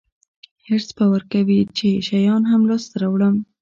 حرص به ورکوي چې شیان هم لاسته راوړم.